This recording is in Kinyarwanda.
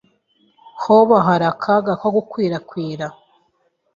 Hoba hari akaga ko gukwirakwira?